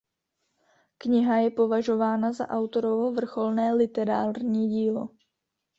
Kniha je považována za autorovo vrcholné literární dílo.